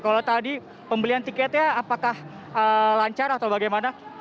kalau tadi pembelian tiketnya apakah lancar atau bagaimana